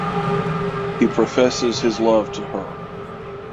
He professes his love to her.